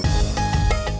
ya ada tiga orang